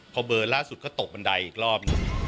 พอเบลอล่าสุดก็ตกบันไดอีกรอบ